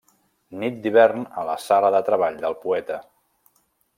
Nit d'hivern a la sala de treball del Poeta.